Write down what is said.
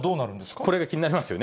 これが気になりますよね。